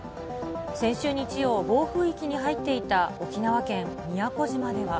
先週日曜、暴風域に入っていた沖縄県宮古島では。